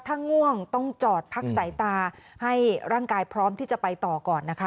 ถ้าง่วงต้องจอดพักสายตาให้ร่างกายพร้อมที่จะไปต่อก่อนนะคะ